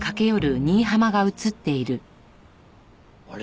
あれ？